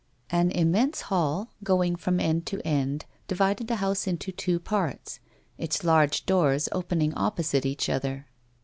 An immense hall, going from end to end, divided the house into two parts, its large doors opening opposite each other.